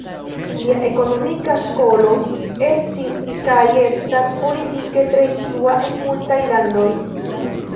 Lia ekonomika skolo estis kaj estas politike tre influa en multaj landoj.